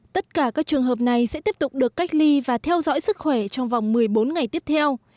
tất cả các trường hợp này sẽ tiếp tục được cách ly và theo dõi sức khỏe trong vòng một mươi bốn ngày tiếp theo